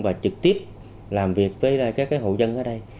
và trực tiếp làm việc với các hộ dân ở đây